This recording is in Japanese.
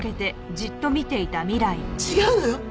違うのよ？